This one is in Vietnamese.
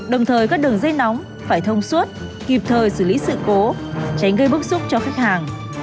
đồng thời các đường dây nóng phải thông suốt kịp thời xử lý sự cố tránh gây bức xúc cho khách hàng